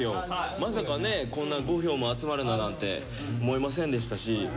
まさかねこんな５票も集まるだなんて思いませんでしたしま